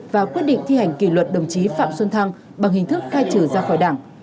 và quyết định thi hành kỷ luật đồng chí phạm xuân thăng bằng hình thức khai trừ ra khỏi đảng